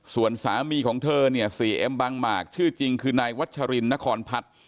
ส่วนสามีของเธอเนี่ยเสียเอ็มบางหมากชื่อจริงคือนายวัชรินนครพัฒน์